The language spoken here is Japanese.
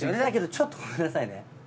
ちょっとごめんなさいね。